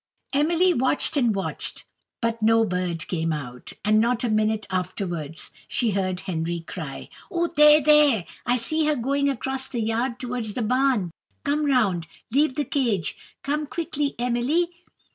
Emily watched and watched, but no bird came out; and not a minute afterwards she heard Henry cry: "O there! there! I see her going across the yard towards the barn! Come round! leave the cage! come quickly, Emily!"